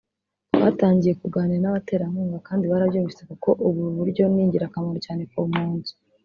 twatangitye kuganira n’abaterankunga kandi barabyumvise kuko ubu buryo ni ingirakamaro cyane ku mpunzi